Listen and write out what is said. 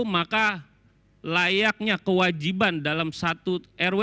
maka layaknya kewajiban dalam satu rw